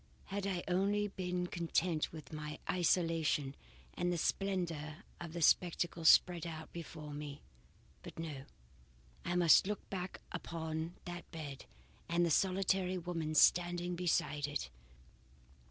Had I only been content with my isolation and the splendour of the spectacle spread out before me! But no, I must look back upon that bed and the solitary woman standing beside it!